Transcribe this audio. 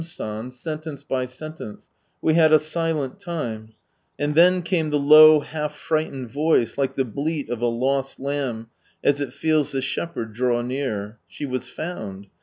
San, sentence by sentence, we had a silent time ; and then came the low, half frightened voice, like the bleat of a lost lamb as it feels the shepherd draw near. She was found.